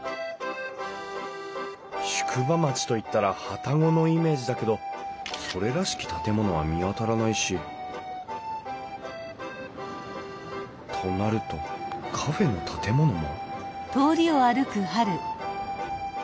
宿場町といったら旅籠のイメージだけどそれらしき建物は見当たらないしとなるとカフェの建物も？